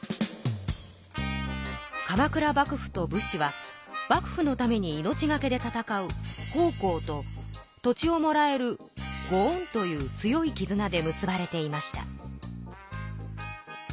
鎌倉幕府と武士は幕府のために命がけで戦う奉公と土地をもらえるご恩という強いきずなで結ばれていました。